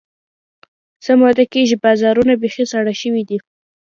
څه موده کېږي، بازارونه بیخي ساړه شوي دي.